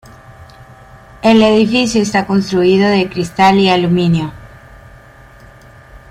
El edificio está construido de cristal y aluminio.